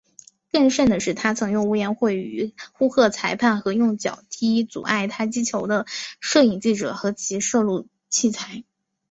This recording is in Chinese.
更甚的是他曾用粗言秽语呼喝裁判和用脚踢阻碍他击球的摄影记者和其摄录器材。